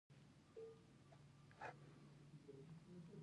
کوږ فکر له زغم لیرې وي